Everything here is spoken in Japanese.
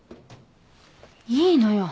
いいのよ。